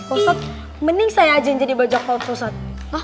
ustadz mending saya aja yang jadi bajak laut ustadz